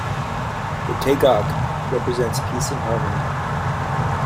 The Taegeuk represents peace and harmony.